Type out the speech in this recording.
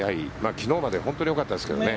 昨日まで本当によかったですけどね。